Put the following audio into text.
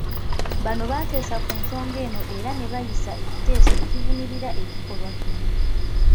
Bano baatesa ku nsonga eno era nebayisa ekiteeso ekivumirira ekikolwa kino.